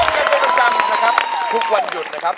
พบกันรีบจำนะครับ